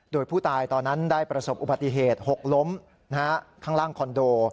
โดยผู้ตายตอนนั้นได้ประสบอุบัติเหตุหกล้มข้างล่างคอนโด